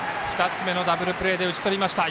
２つ目のダブルプレーで打ち取りました。